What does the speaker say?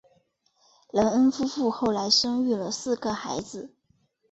雷恩夫妇后来生育了四个孩子。